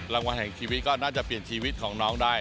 รางวัลแห่งชีวิตก็น่าจะเปลี่ยนชีวิตของน้องได้